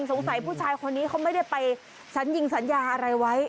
สงสัยผู้ชายคนนี้เขาไม่ได้ไปสัญญิงสัญญาอะไรไว้